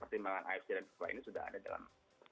pertimbangan afc dan kedua ini sudah ada dalam